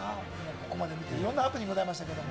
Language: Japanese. ここまで見て、いろんなハプニングありましたけど。